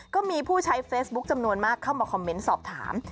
ก็มีผู้ใช้เฟซบุ๊คจำนวนมากเข้ามาคอมเมนต์สอบถาม